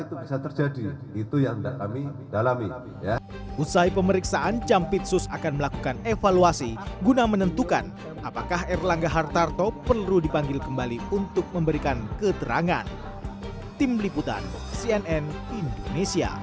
usai pemeriksaan campit sus akan melakukan evaluasi guna menentukan apakah erlangga hartarto perlu dipanggil kembali untuk memberikan keterangan